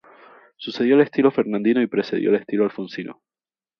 Sucedió al estilo fernandino y precedió al estilo alfonsino.